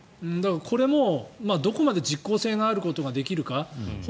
これもどこまで実効性があることができるか。